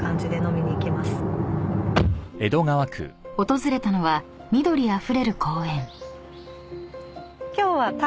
［訪れたのは緑あふれる公園］